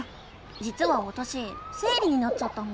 じつはわたし生理になっちゃったの。